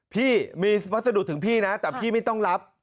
พี่มีวัสดุถึงพี่นะแต่พี่ไม่ต้องรับ